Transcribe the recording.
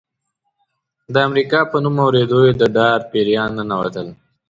د امریکا په نوم اورېدو یې د ډار پیریان ننوتل.